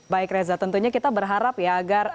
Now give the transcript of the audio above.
baik reza tentunya kita berharap ya agar